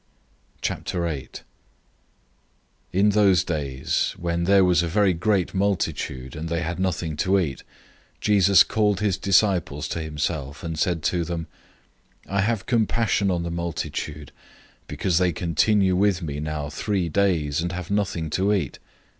008:001 In those days, when there was a very great multitude, and they had nothing to eat, Jesus called his disciples to himself, and said to them, 008:002 "I have compassion on the multitude, because they have stayed with me now three days, and have nothing to eat.